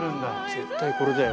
絶対これだよ